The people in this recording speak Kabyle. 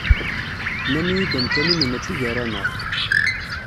Nnan-iyi-d amkan-im mačči gar-aneɣ.